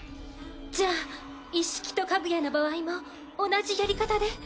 じゃあイッシキとカグヤの場合も同じやり方で？